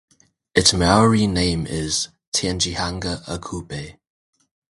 Its Maori name is "Tangihanga-a-Kupe".